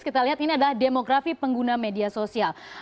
kita lihat ini adalah demografi pengguna media sosial